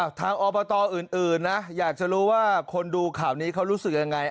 ทางอบตอื่นนะอยากจะรู้ว่าคนดูข่าวนี้เขารู้สึกยังไง